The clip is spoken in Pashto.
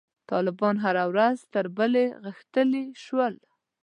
طالبان هره ورځ تر بلې غښتلي شول.